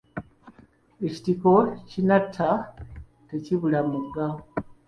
Ekitiko ekinatta, tekibula muga.